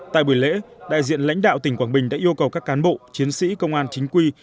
tại buổi lễ đại diện lãnh đạo tỉnh quảng bình đã yêu cầu các cán bộ chiến sĩ công an chính quy